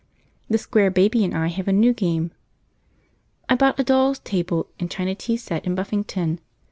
The Square Baby and I have a new game. I bought a doll's table and china tea set in Buffington.